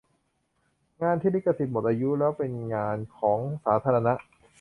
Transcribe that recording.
งานที่ลิขสิทธิ์หมดอายุแล้วเป็นงานของสาธารณะ